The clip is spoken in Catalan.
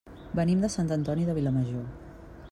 Venim de Sant Antoni de Vilamajor.